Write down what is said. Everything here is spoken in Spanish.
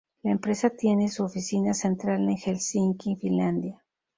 La empresa tiene su oficina central en Helsinki, Finlandia.